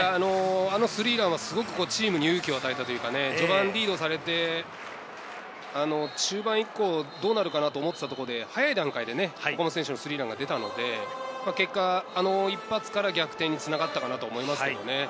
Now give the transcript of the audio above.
あのスリーランはすごくチームに勇気を与えたというか、序盤リードされて、中盤以降、どうなるかと思っていたところで、早い段階でスリーランが出たので、あの一発から逆転に繋がったかなと思いますね。